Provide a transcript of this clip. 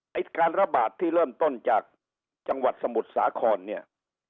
ไอ้การระบาดที่เริ่มต้นจากจังหวัดสมุทรสาครเนี่ย